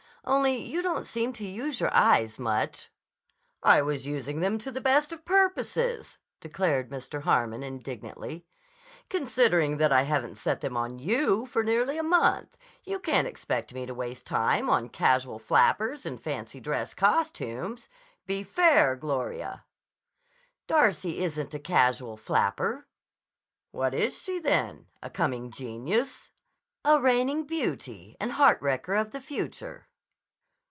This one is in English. Only, you don't seem to use your eyes much." "I was using them to the best of purposes," declared Mr. Harmon indignantly. "Considering that I haven't set them on you for nearly a month, you can't expect me to waste time on casual flappers in fancy dress costumes. Be fair, Gloria." "Darcy isn't a casual flapper." "What is she, then? A coming genius?" "A reigning beauty and heart wrecker of the future."